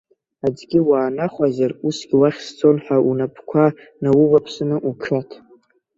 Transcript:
Аӡӷьы уаанахәазар, усгьы уахь сцон ҳәа унапқәа науваԥсаны уҽаҭ.